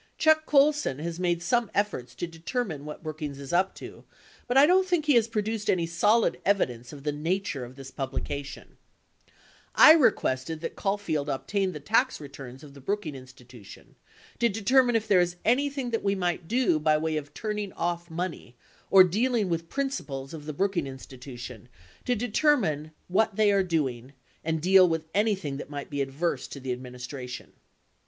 Chuck Colson has made some efforts to determine what Brookings is up to but I don't think he has produced any solid evidence of the na ture of this publication. I requested that Caulfield obtain 74 10 Hearings 4114 . 75 10 Hearings 4117 .™ 21 Hearings 9771 . 77 Ibid. 78 22 Hearings 10357 . 143 the tax returns of the Brookings Institution to determine if there is anything that we might do by way of turning off money or dealing with principals of the Brookings Institu tion to determine what they are doing and deal with any thing that might be adverse to the administration.